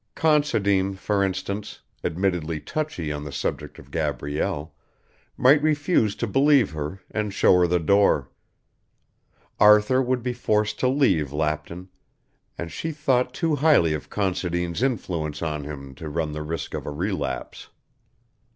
Considine, for instance, admittedly touchy on the subject of Gabrielle, might refuse to believe her and show her the door. Arthur would be forced to leave Lapton; and she thought too highly of Considine's influence on him to run the risk of a relapse.